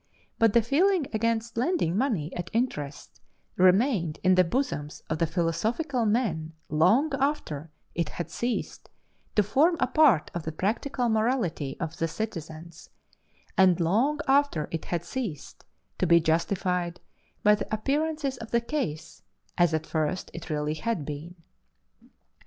But the feeling against lending money at interest remained in the bosoms of the philosophical men long after it had ceased to form a part of the practical morality of the citizens, and long after it had ceased to be justified by the appearances of the case as at first it really had been.